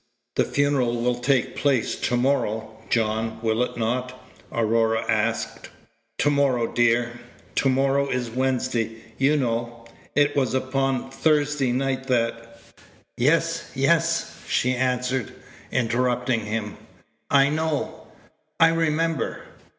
"The funeral will take place to morrow, John, will it not?" Aurora asked. "To morrow, dear! to morrow is Wednesday, you know. It was upon Thursday night that " "Yes, yes," she answered, interrupting him, "I know I remember."